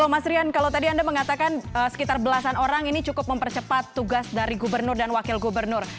mas rian kalau tadi anda mengatakan sekitar belasan orang ini cukup mempercepat tugas dari gubernur dan wakil gubernur